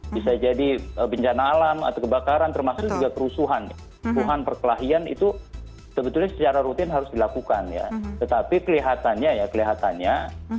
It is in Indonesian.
bisa jadi bencana alam atau kebakaran termasuk juga kerusuhan perkelahian itu sebetulnya secara rutin harus dilakukan ya tetapi kelihatannya ya kelihatannya